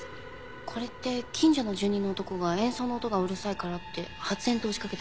これって近所の住人の男が演奏の音がうるさいからって発煙筒を仕掛けた事件ですよね？